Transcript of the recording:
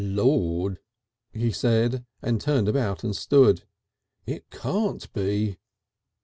"Lord!" he said, and turned about and stood. "It can't be."